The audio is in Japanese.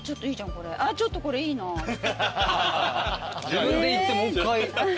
自分で言ってもう１回。